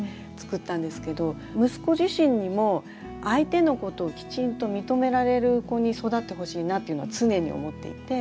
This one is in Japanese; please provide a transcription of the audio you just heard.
息子自身にも相手のことをきちんと認められる子に育ってほしいなっていうのは常に思っていて。